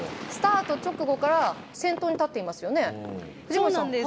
スタート直後から先頭に立っていますよね。